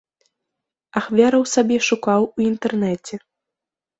Ахвяраў сабе шукаў у інтэрнэце.